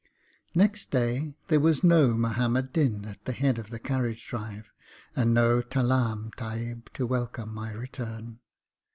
Next day there was no Muhammad Din at the head of the carriage drive, and no 'Talaam, Tahib' to welcome my return.